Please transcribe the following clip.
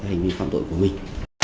hành vi phạm tội của mình